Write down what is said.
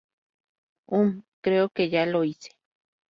Hume, creo que ya lo hice".